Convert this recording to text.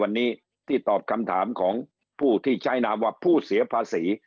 วันนี้ที่ตอบคำถามของผู้ที่ใช้นามว่าผู้เสียภาษี